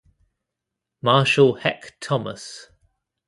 Marshal Heck Thomas.